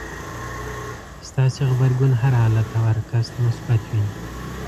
ستاسې غبرګون هر حالت او هر کس ته مثبت وي.